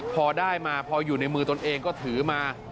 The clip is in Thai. พอได้มาพออยู่ในมือตนเองก็ถือมา